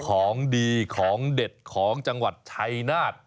ของดีของเด็ดของจังหวัดชัยนาธ